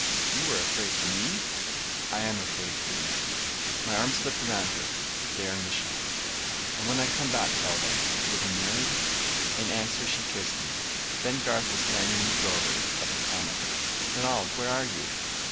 "You are afraid for me?" "I am afraid for you." My arm slipped around her, there in the shadow. "And when I come back, Kelvar, we'll be married?" In answer, she kissed me. Then Garth was standing in the doorway of the Comet. "Dunal, where are you?"